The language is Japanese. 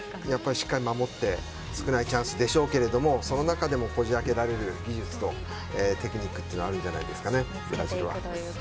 しっかり守って少ないチャンスでしょうけどその中でもこじ開けられる技術とテクニックというのはあるんじゃないですかね。